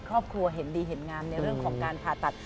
ครอบครัวเห็นดีเห็นงามในเรื่องของการผ่าตัด